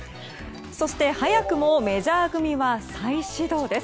そして、早くもメジャー組は再始動です。